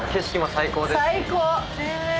最高。